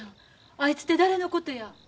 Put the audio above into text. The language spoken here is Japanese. あいつって誰のことや。